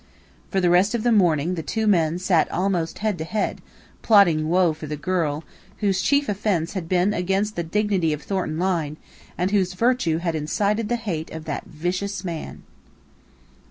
For the rest of the morning the two men sat almost head to head, plotting woe for the girl, whose chief offence had been against the dignity of Thornton Lyne, and whose virtue had incited the hate of that vicious man.